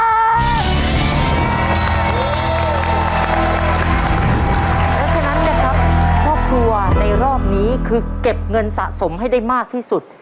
เพราะฉะนั้นนะครับครอบครัวในรอบนี้คือเก็บเงินสะสมให้ได้มากที่สุด